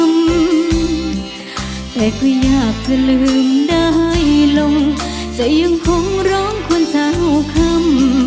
แต่ก็อยากจะลืมได้ลงจะยังคงร้องคนเศร้าคำ